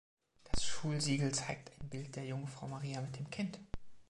Das Schulsiegel zeigt ein Bild der Jungfrau Maria mit dem Kind.